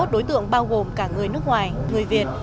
hai mươi đối tượng bao gồm cả người nước ngoài người việt